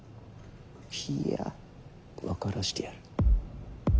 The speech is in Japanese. いいや分からせてやる。